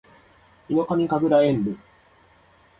ヒノカミ神楽炎舞（ひのかみかぐらえんぶ）